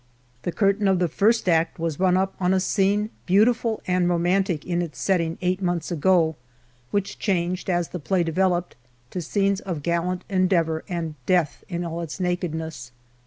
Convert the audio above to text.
The curtain of the first act was rung up on a scene beautiful and romantic in its setting eight months ago, which changed, as the play developed, to scenes of gallant endeavour and Death in all his nakedness.